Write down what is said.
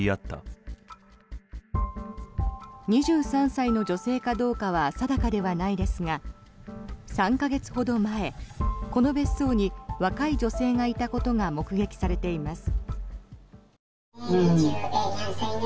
２３歳の女性かどうかは定かではないですが３か月ほど前、この別荘に若い女性がいたことが目撃されています。